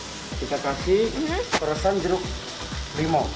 oke kita kasih perasan jeruk limau